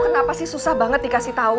kenapa sih susah banget dikasih tahu